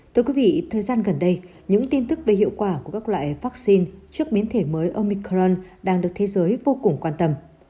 thưa quý vị thời gian gần đây những tin tức về hiệu quả của các loại vaccine trước biến thể mới omicron đang được thế giới vô cùng quan tâm